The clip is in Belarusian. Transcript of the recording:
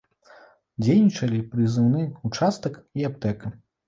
Дзейнічалі прызыўны ўчастак і аптэка.